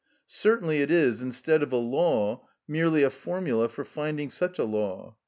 Certainly it is, instead of a law, merely a formula for finding such a law.